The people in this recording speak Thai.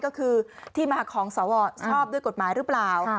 ก็คือที่มาของสวชอบด้วยกฎหมายหรือเปล่า